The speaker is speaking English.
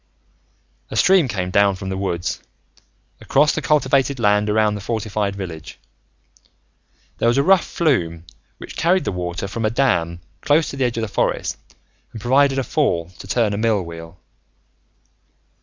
A stream came down from the woods, across the cultivated land around the fortified village. There was a rough flume which carried the water from a dam close to the edge of the forest and provided a fall to turn a mill wheel.